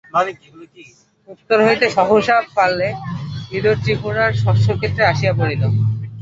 উত্তর হইতে সহসা পালে পালে ইঁদুর ত্রিপুরার শস্যক্ষেত্রে আসিয়া পড়িল।